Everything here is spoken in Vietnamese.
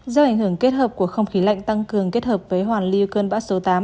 do ảnh hưởng kết hợp của không khí lạnh tăng cường kết hợp với hoàn lưu cơn bão số tám